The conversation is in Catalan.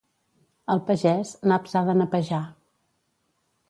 El pagès, naps ha de napejar.